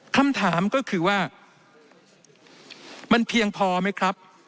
คำถามก็คือว่ามันเพียงพอไหมครับ